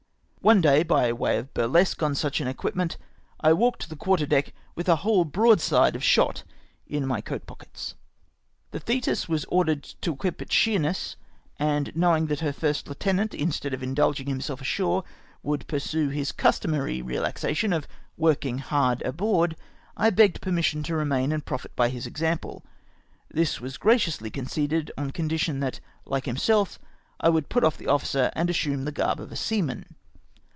One day, by way of burlesque on such an equipment, I walked the quarter deck with a whole broadside of shot in my coat pockets. The Thetis was ordered to equip at Sheerness, and knowing that her first heutenant, mstead of indulgmg himself ashore, would pursue his customary relaxation of working hard aboard, I begged permission to remain and profit by his example. This was graciously con ceded, on conchtion that, hke himself, I would put off the ofiicer and assume the garb of a seaman.